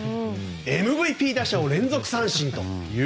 ＭＶＰ打者を連続三振と。